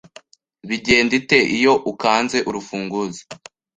bigenda ite iyo ukanze urufunguzo